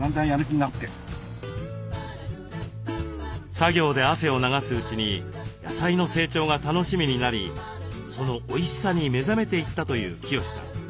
作業で汗を流すうちに野菜の成長が楽しみになりそのおいしさに目覚めていったという清志さん。